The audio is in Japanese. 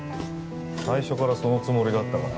最初からそのつもりだったから。